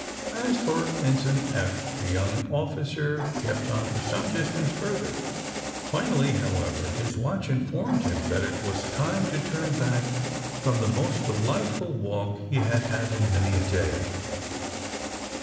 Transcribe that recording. '' As for Ensign Eph, that young officer kept on for some distance further. Finally, how ever, his watch informed him that it was time to turn back from the most delightful walk he had had in many a day.